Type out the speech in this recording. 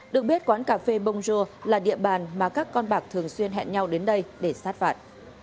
được biết quán cà phê bonjour là địa bàn mà các con bạc thường xuyên hẹn nhau đến đây để sát vạt